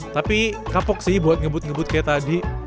tapi kapok sih buat ngebut ngebut kayak tadi